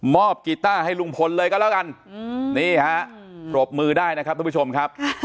กีต้าให้ลุงพลเลยก็แล้วกันนี่ฮะปรบมือได้นะครับทุกผู้ชมครับ